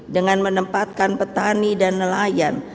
dengan menempatkan petani dan nelayan